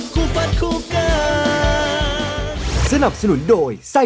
แค่ถีดยังน้อยไปด้วยซ้ำ